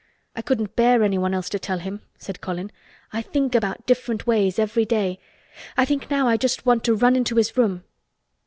"I couldn't bear anyone else to tell him," said Colin. "I think about different ways every day, I think now I just want to run into his room."